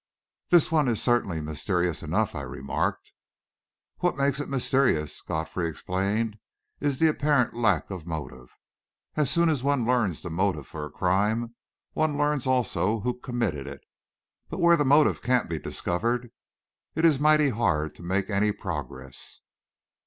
"This one is certainly mysterious enough," I remarked. "What makes it mysterious," Godfrey explained, "is the apparent lack of motive. As soon as one learns the motive for a crime, one learns also who committed it. But where the motive can't be discovered, it is mighty hard to make any progress."